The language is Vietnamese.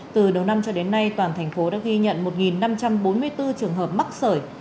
từ đầu năm cho đến nay toàn thành phố đã ghi nhận một năm trăm bốn mươi bốn trường hợp mắc sởi